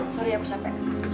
sorry aku sampe